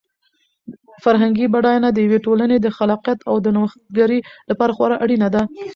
فرهنګي بډاینه د یوې ټولنې د خلاقیت او د نوښتګرۍ لپاره خورا اړینه ده.